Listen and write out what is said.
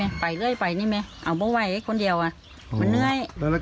ไม่อยากไปไป่เล่ยไป่นี่แหมเอาไปไหวอะไรคนเดียวอะไม่เงื่อย